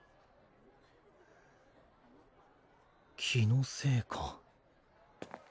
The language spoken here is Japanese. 気のせいか。